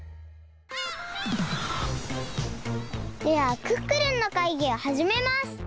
ではクックルンのかいぎをはじめます！